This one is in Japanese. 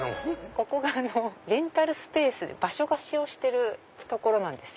ここがレンタルスペース場所貸しをしてる所なんです。